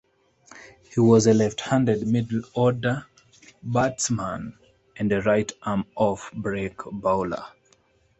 He was a left-handed middle-order batsman and a right-arm off break bowler.